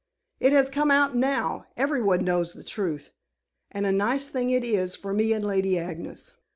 "It has come out now: everyone knows the truth. And a nice thing it is for me and Lady Agnes."